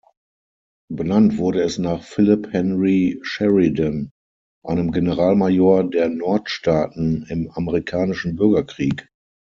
Benannt wurde es nach Philip Henry Sheridan, einem Generalmajor der Nordstaaten im Amerikanischen Bürgerkrieg.